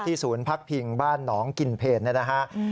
ที่ศูนย์พักพิงบ้านน้องกินเพชรนะครับ